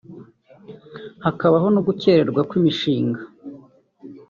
hakabaho no gukererwa kw’imishinga